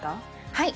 はい。